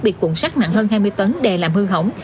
bị cuộn xác nặng hơn hai mươi tấn đè làm hư hỏng